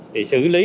thì xử lý